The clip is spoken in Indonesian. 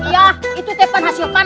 ya itu tepon hasil panen